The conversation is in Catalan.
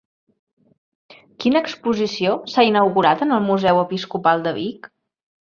Quina exposició s'ha inaugurat en el Museu Episcopal de Vic?